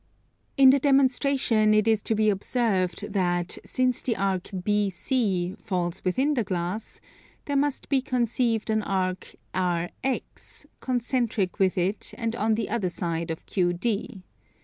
In the demonstration it is to be observed that, since the arc BC falls within the glass, there must be conceived an arc RX, concentric with it and on the other side of QD.